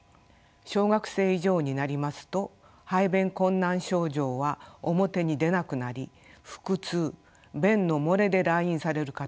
小学生以上になりますと排便困難症状は表に出なくなり腹痛便の漏れで来院される方が増えます。